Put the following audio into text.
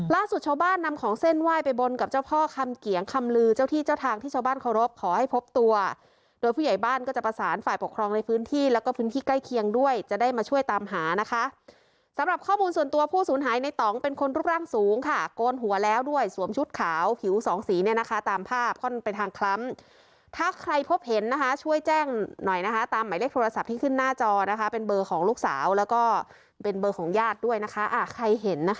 แล้วก็พื้นที่ใกล้เคียงด้วยจะได้มาช่วยตามหานะคะสำหรับข้อมูลส่วนตัวผู้สูญหายในตองเป็นคนรูปร่างสูงค่ะโกนหัวแล้วด้วยสวมชุดขาวผิวสองสีเนี่ยนะคะตามภาพค่อนไปทางคล้ำถ้าใครพบเห็นนะคะช่วยแจ้งหน่อยนะคะตามหมายเลขโทรศัพท์ที่ขึ้นหน้าจอนะคะเป็นเบอร์ของลูกสาวแล้วก็เป็นเบอร์ของญาติด้วยนะคะอ่าใ